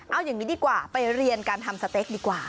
เอาอย่างนี้ดีกว่าไปเรียนการทำสเต็กดีกว่า